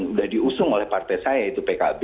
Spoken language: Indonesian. sudah diusung oleh partai saya yaitu pkb